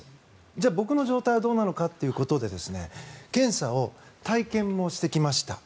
じゃあ、僕の状態はどうなのかっていうことで検査を体験もしてきました。